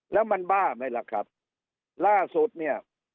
แล้วมันบ้าไหมล่ะครับล่าสุดเนี่ย